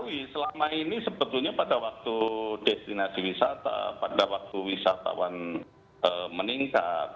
untuk kita tahu selama ini sebetulnya pada waktu destinasi wisata pada waktu wisatawan meningkat